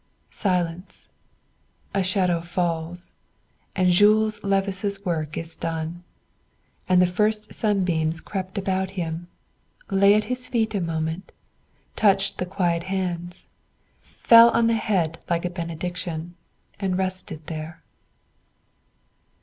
Silence. A shadow falls, and Jules Levice's work is done; and the first sunbeams crept about him, lay at his feet a moment, touched the quiet hands, fell on the head like a benediction, and rested there.